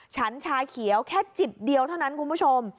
ฉันชาเขียวแค่จิบเดียวเท่านั้นคุณผู้ชม